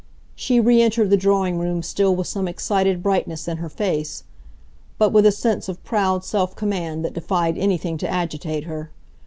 She re entered the drawing room still with some excited brightness in her face, but with a sense of proud self command that defied anything to agitate her.